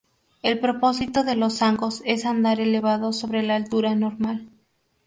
El propósito de los zancos es andar elevados sobre la altura normal.